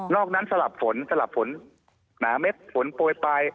อกนั้นสลับฝนสลับฝนหนาเม็ดฝนโปรยปลาย